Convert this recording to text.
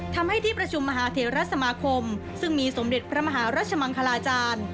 ทำให้ที่ประชุมมหาเทรสมาคมซึ่งมีสมเด็จพระมหารัชมังคลาจารย์